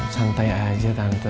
santai aja tante